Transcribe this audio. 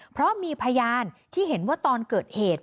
เพราะมีพยานที่เห็นว่าตอนเกิดเหตุ